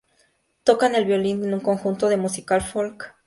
Toca el violín en un conjunto de música folk.